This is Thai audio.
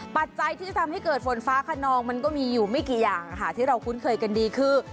ปัจจัยที่จะทำให้เกิดฝนฟ้าขนองมันก็มีอยู่ไม่กี่อย่างค่ะที่เราคุ้นเคยกันดีคือ